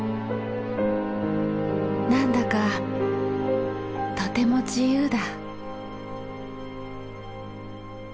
なんだかとても自由だ。